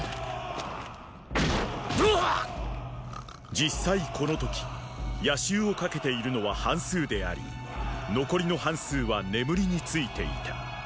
実際この時夜襲をかけているのは半数であり残りの半数は眠りについていた。